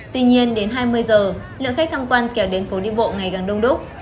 tuy nhiên đến hai mươi h lượng khách tham quan kéo đến phố đi bộ ngày gắn đông đúc